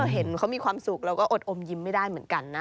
เห็นเขามีความสุขเราก็อดอมยิ้มไม่ได้เหมือนกันนะ